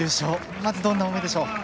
まずどんな思いでしょう？